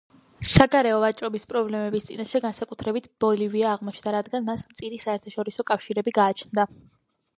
საგარეო ვაჭრობის პრობლემების წინაშე განსაკუთრებით ბოლივია აღმოჩნდა, რადგან მას მწირი საერთაშორისო კავშირები გააჩნდა.